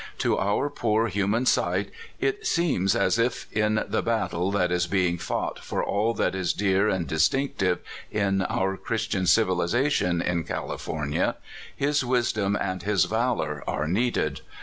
To our poor human sight, it seems as if in the battle that is being fought for all that is dear and dis tinctive in our Christian civilization in California, Dr. Elcazar Thomas, 14: his wisdom and liis valor are needed.